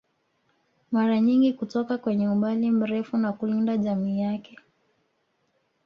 Mara nyingi kutoka kwenye umbali mrefu na kulinda jamii yake